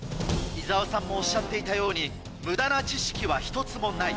伊沢さんもおっしゃっていたように無駄な知識は１つもない。